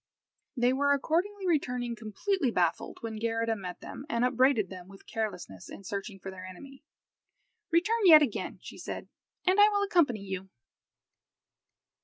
They were accordingly returning completely baffled, when Geirrida met them, and upbraided them with carelessness in searching for their enemy. "Return yet again," she said, "and I will accompany you."